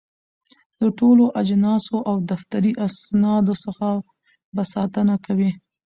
د ټولو اجناسو او دفتري اسنادو څخه به ساتنه کوي.